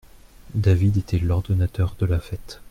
David était l'ordonnateur de la fête.